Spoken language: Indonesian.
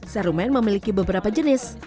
sarumen memiliki beberapa jenis